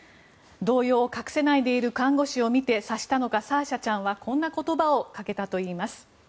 動揺を隠せないでいる看護師を見て察したのかサーシャちゃんはこんな言葉をかけたといいます。